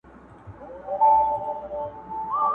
چي د چا پر سر كښېني دوى يې پاچا كي!.